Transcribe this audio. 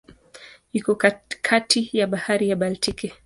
Iko kati ya Bahari ya Baltiki.